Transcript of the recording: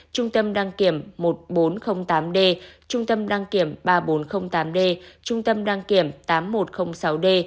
trung tâm đăng kiểm một nghìn bốn trăm linh tám d trung tâm đăng kiểm ba nghìn bốn trăm linh tám d trung tâm đăng kiểm tám nghìn một trăm linh sáu d